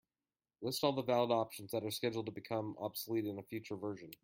List all the valid options that are scheduled to become obsolete in a future version.